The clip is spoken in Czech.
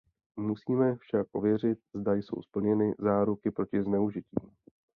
Musíme však ověřit, zda jsou splněny záruky proti zneužití.